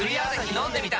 飲んでみた！